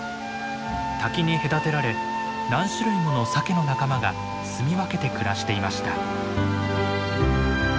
滝に隔てられ何種類ものサケの仲間がすみ分けて暮らしていました。